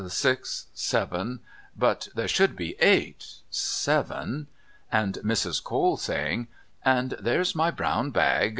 Six, Seven... But there should be Eight... Seven..." and Mrs. Cole saying: "And there's my brown bag.